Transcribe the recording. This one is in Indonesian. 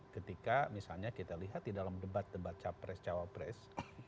ketika misalnya kita lihat di dalam debat debat capres cawapres